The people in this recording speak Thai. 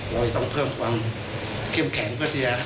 เราจะต้องเพิ่มความเค็มแข็งตัวเนี้ยครับ